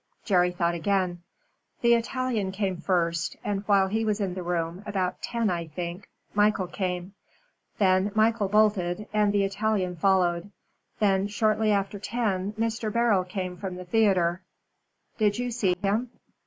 Jerry thought again. "The Italian came first, and while he was in the room, about ten I think, Michael came. Then Michael bolted, and the Italian followed. Then shortly after ten Mr. Beryl came from the theatre " "Did you see him?"